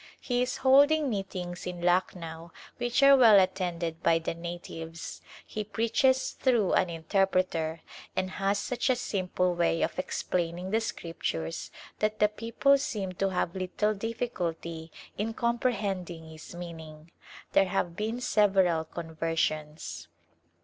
He is holding meetings in Lucknow which are well attended by the natives. He preaches through an interpreter, and has such a simple way of explaining the Scriptures that the people seem to have little difficulty in comprehending his meaning. There have been several conversions.